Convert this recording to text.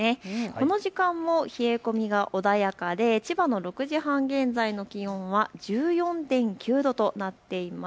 この時間も冷え込みは穏やかで千葉の６時半現在の気温は１４．９度となっています。